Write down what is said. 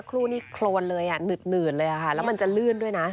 สักครู่เงื่อนเลยหนืดเลยอะค่ะและมันจะเลื่อนด้วยนะ